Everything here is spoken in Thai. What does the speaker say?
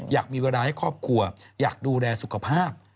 อยากมีเวลาให้ครอบครัวอยากดูแลสุขภาพ